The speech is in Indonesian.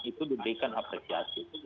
itu diberikan apresiasi